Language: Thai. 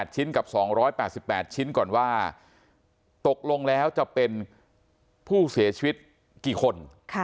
ชิ้นกับ๒๘๘ชิ้นก่อนว่าตกลงแล้วจะเป็นผู้เสียชีวิตกี่คน